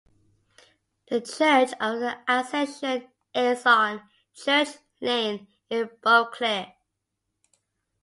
The Church of the Ascension is on Church Lane in Burghclere.